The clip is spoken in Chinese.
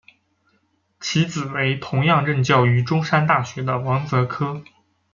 其子为同样任教于中山大学的王则柯。